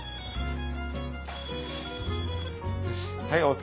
はい。